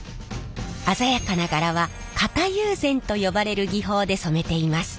鮮やかな柄は型友禅と呼ばれる技法で染めています。